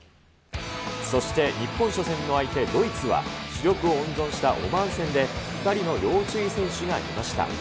そして日本初戦の相手、ドイツは、主力を温存したオマーン戦で、２人の要注意選手がいました。